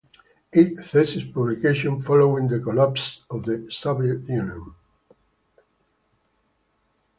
It ceased publication following the collapse of the Soviet Union.